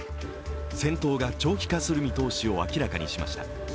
戦闘が長期化する見通しを明らかにしました。